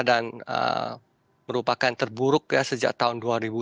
dan merupakan terburuk sejak tahun dua ribu satu